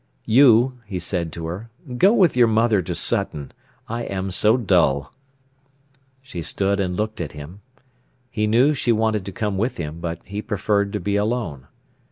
"You," he said to her, "go with your mother to Sutton. I am so dull." She stood and looked at him. He knew she wanted to come with him, but he preferred to be alone.